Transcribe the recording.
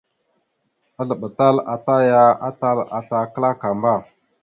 Azləɓatal ata aya atal ata klakamba.